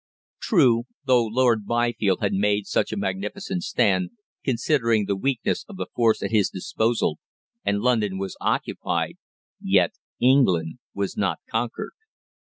True, though Lord Byfield had made such a magnificent stand, considering the weakness of the force at his disposal, and London was occupied, yet England was not conquered.